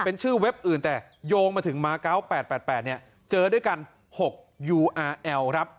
เป็นชื่อเว็บอื่นแต่โยงมาถึงมาเก้าแปดแปดแปดเนี่ยเจอด้วยกันหกยูอาร์แอลครับ